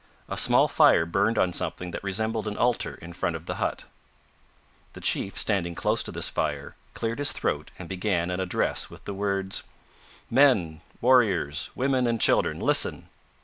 A small fire burned on something that resembled an altar in front of the hut. The chief, standing close to this fire, cleared his throat and began an address with the words, "Men, warriors, women and children, listen!"